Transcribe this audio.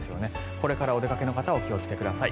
これからお出かけの方はお気をつけください。